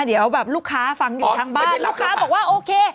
เดี๋ยวแบบลูกค้าฟังอยู่ทางบ้านลูกค้าบอกว่าโอเค